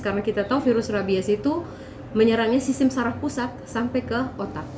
karena kita tahu virus rabies itu menyerangnya sistem saraf pusat sampai ke otak